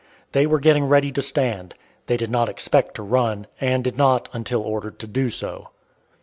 They were getting ready to stand. They did not expect to run, and did not until ordered to do so.